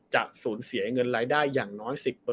จะสูญเสียเงินรายได้อย่างน้อย๑๐